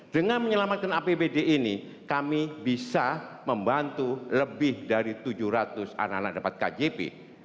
dengan menyelamatkan apbd ini kami bisa membantu lebih dari tujuh ratus anak anak dapat kjp